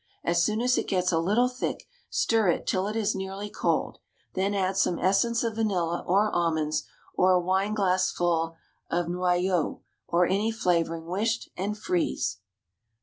As soon as it gets a little thick, stir it till it is nearly cold, then add some essence of vanilla or almonds, or a wineglassful of noyeau, or any flavouring wished, and freeze.